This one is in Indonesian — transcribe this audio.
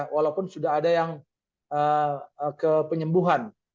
walaupun sudah ada yang kepenyembuhan